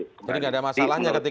jadi gak ada masalahnya ketika